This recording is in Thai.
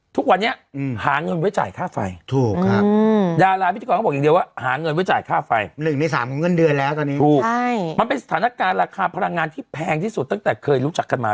ทุกวันนี้หาเงินไว้จ่ายค่าไฟยารายวิทยุกร์เขาบอกอีกเดียวว่า